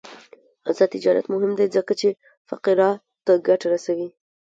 آزاد تجارت مهم دی ځکه چې فقراء ته ګټه رسوي.